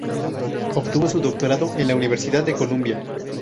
Obtuvo su doctorado en la Universidad de Columbia.